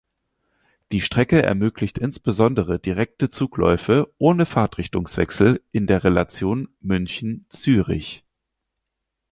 Die Strecke ermöglicht insbesondere direkte Zugläufe ohne Fahrtrichtungswechsel in der Relation München–Zürich.